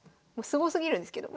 すごすぎるんですけど。